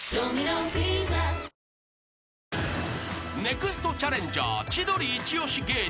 ［ネクストチャレンジャー］